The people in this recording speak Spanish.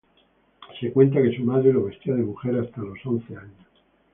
Se cuenta que su madre lo vestía de mujer hasta los once años.